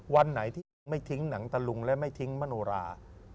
วันไหนที่ไม่ทิ้งหนังตะลุงและไม่ทิ้งมโนรา